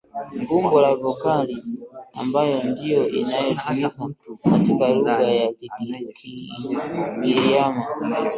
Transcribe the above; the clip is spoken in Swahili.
umbo la vokali [a] ambayo ndiyo inayotumika katika lugha ya Kigiryama